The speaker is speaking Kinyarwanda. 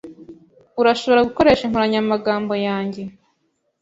Urashobora gukoresha inkoranyamagambo yanjye.